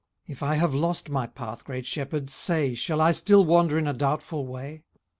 If I have lost my path, great Shepherd, say, Shall I still wander in a doubtful way ?